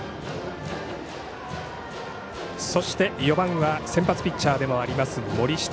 そして、４番は先発ピッチャーでもあります森下。